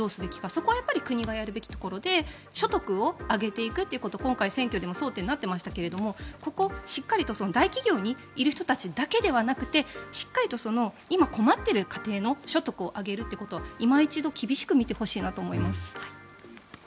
そこはやっぱり国がやるべきところで所得を上げていくというところ今回、選挙でも争点になっていましたがここをしっかりと大企業にいる人たちだけではなくてしっかりと今、困っている家庭の所得を上げるというのをいま一度厳しく見てほしいなと思います。